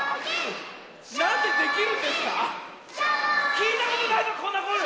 きいたことないぞこんなコール！